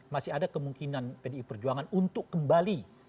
masih ada kemungkinan pdi perjuangan untuk kembali